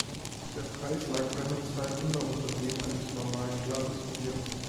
Der Preis lag seinerzeit immer unter dem eines normalen Glases Bier.